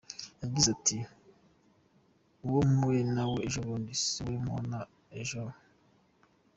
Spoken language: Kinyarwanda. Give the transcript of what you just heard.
Yagize ati “Uwo mpuye nawe ejo bundi, siwe mbona ejo.